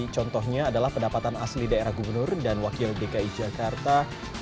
contohnya adalah pendapatan asli daerah gubernur dan wakil dki jakarta